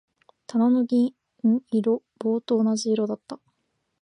棚も銀色。棒と同じ色だった。